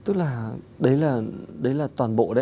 tức là đấy là đấy là toàn bộ đấy